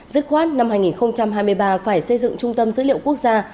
dứt khoát năm hai nghìn hai mươi ba phải xây dựng trung tâm dữ liệu quốc gia